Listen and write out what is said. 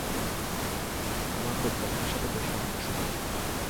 আমার পরিকল্পনার সাথে বেশ সামঞ্জস্যপূর্ণ।